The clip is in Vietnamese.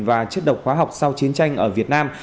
và chất độc hóa học sau chiến tranh ở việt nam